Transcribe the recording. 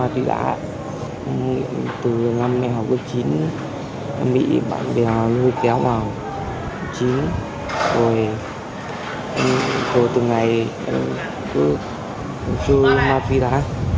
từ năm hai nghìn chín em bị bạn bè lôi kéo vào chín rồi từ ngày em cứ sử dụng ma tuy đá